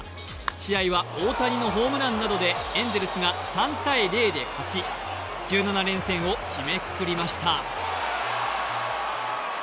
試合は大谷のホームランなどでエンゼルスが３−０で勝ち、１７連戦を締めくくりました。